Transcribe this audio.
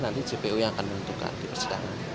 nanti cpu yang akan menuntutkan di persidangan